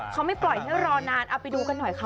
เขาไม่ปล่อยให้รอนานเอาไปดูกันหน่อยค่ะ